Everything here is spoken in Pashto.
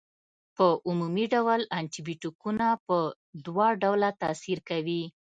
په عمومي ډول انټي بیوټیکونه په دوه ډوله تاثیر کوي.